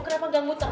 kenapa gak muter